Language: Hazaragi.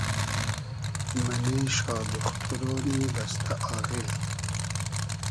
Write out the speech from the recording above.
مئنې شا دوختورۉنی بئستۂ آغیل